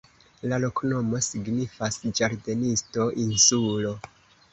La loknomo signifas: ĝardenisto-insulo.